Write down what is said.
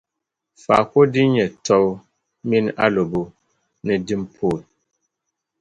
Faako din nyɛ tɔbu mini alɔbo ni dimpooi.